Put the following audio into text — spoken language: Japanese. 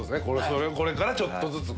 それをこれからちょっとずつ。